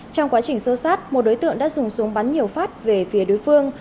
trong quá trình sâu sát một đối tượng đã dùng súng bắn nhiều phát về phía đối phương